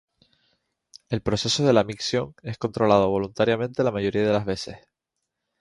El proceso de la micción es controlado voluntariamente la mayoría de las veces.